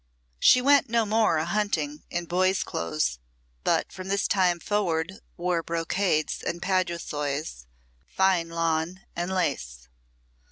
She went no more a hunting in boy's clothes, but from this time forward wore brocades and paduasoys, fine lawn and lace.